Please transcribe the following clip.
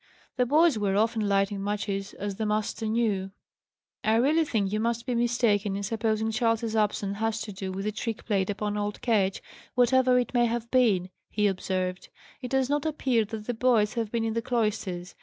The boys were often lighting matches, as the master knew. "I really think you must be mistaken in supposing Charles's absence has to do with this trick played upon old Ketch whatever it may have been," he observed. "It does not appear that the boys have been in the cloisters.